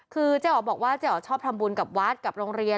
คือเจ๊อ๋อบอกว่าเจ๊อ๋อชอบทำบุญกับวัดกับโรงเรียน